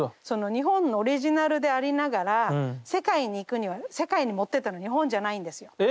その日本のオリジナルでありながら世界に行くには世界に持ってったの日本じゃないんですよ。